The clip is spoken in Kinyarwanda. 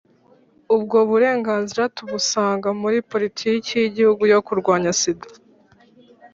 ubwo burenganzira tubusanga muri poli tiki y’igihugu yo kurwanya sida